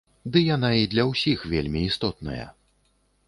Ды яна і для ўсіх вельмі істотная.